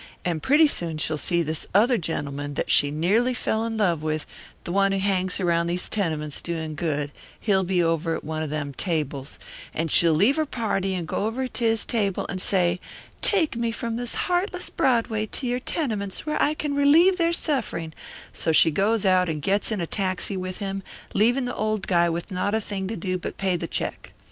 And pretty soon she'll see this other gentleman that she nearly fell in love with, the one who hangs around these tenements doing good he'll be over at one of them tables and she'll leave her party and go over to his table and say, 'Take me from this heartless Broadway to your tenements where I can relieve their suffering,' so she goes out and gets in a taxi with him, leaving the old guy with not a thing to do but pay the check.